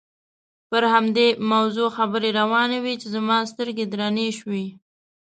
پر همدې موضوع خبرې روانې وې چې زما سترګې درنې شوې.